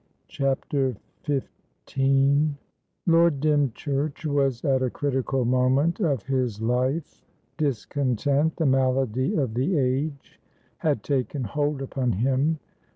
CHAPTER XV Lord Dymchurch was at a critical moment of his life. Discontent, the malady of the age, had taken hold upon him.